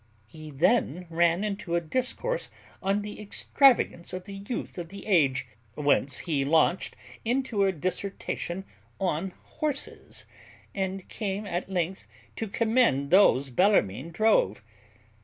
He then ran into a discourse on the extravagance of the youth of the age; whence he launched into a dissertation on horses; and came at length to commend those Bellarmine drove.